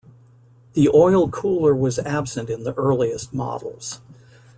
The oil cooler was absent in the earliest models.